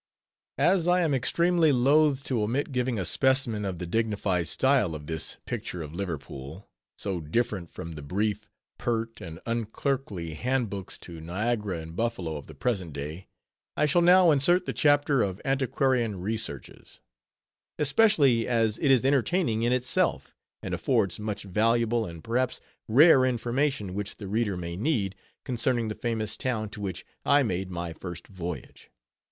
As I am extremely loth to omit giving a specimen of the dignified style of this "Picture of Liverpool," so different from the brief, pert, and unclerkly hand books to Niagara and Buffalo of the present day, I shall now insert the chapter of antiquarian researches; especially as it is entertaining in itself, and affords much valuable, and perhaps rare information, which the reader may need, concerning the famous town, to which I made _my first voyage.